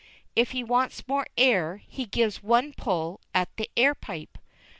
If he wants more air, he gives one pull at the air pipe.